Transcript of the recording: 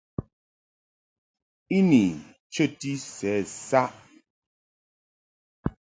I ni nchəti sɛ saʼ.